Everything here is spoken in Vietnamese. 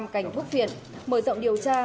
cành thuốc phiện mở rộng điều tra